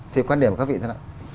thì quan điểm của các vị thế nào